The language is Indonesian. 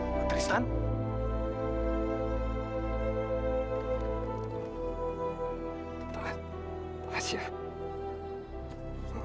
mas aku tak bisa